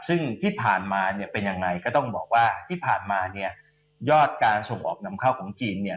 ซึ่งที่ผ่านมาเนี่ยเป็นยังไงก็ต้องบอกว่าที่ผ่านมาเนี่ยยอดการส่งออกนำเข้าของจีนเนี่ย